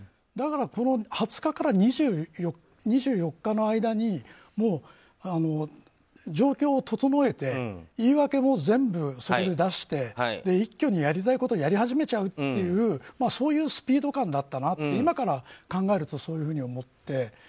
だから、２０日から２４日の間に状況を整えて言い訳も全部、そこで出して一挙にやりたいことをやり始めちゃうっていうそういうスピード感だったなって今から考えるとそういうふうに思って。